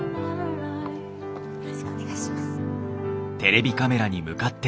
よろしくお願いします。